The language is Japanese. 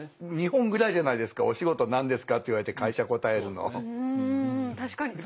日本ぐらいじゃないですか「お仕事何ですか？」って言われて会社答えるの。